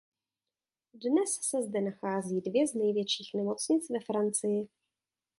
Dnes se zde nacházejí dvě z největších nemocnic ve Francii.